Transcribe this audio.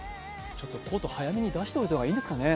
コート、早めに出しておいた方がいいですかね。